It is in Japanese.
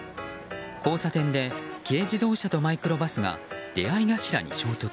交差点で軽自動車とマイクロバスが出合い頭に衝突。